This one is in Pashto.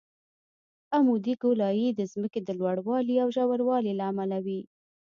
عمودي ګولایي د ځمکې د لوړوالي او ژوروالي له امله وي